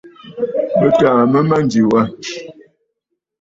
Bɨ tàà mə̂ a mânjì wâ.